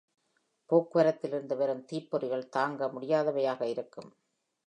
போக்குவரத்திலிருந்து வரும் தீப்பொறிகள் தாங்க முடியாதவையாக இருக்கும்.